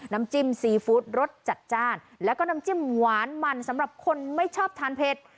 น้ำจิ้มซีฟู้ดรสจัดจ้านแล้วก็น้ำจิ้มหวานมันสำหรับคนไม่ชอบทานเผ็ด